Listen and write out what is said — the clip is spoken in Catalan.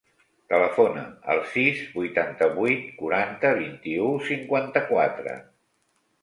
Telefona al sis, vuitanta-vuit, quaranta, vint-i-u, cinquanta-quatre.